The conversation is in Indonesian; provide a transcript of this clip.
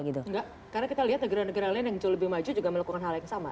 enggak karena kita lihat negara negara lain yang jauh lebih maju juga melakukan hal yang sama